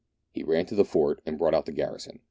He ran to the fort, and brought out the garrison.